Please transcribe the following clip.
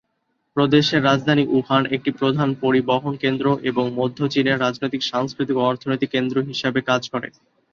প্রদেশের রাজধানী উহান একটি প্রধান পরিবহন কেন্দ্র এবং মধ্য চীনের রাজনৈতিক, সাংস্কৃতিক ও অর্থনৈতিক কেন্দ্র হিসাবে কাজ করে।